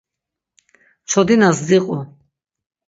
Çodinas diqu.